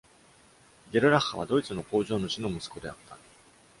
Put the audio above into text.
ゲルラッハは、ドイツの工場主の息子であった。